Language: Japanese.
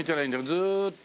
ずーっと。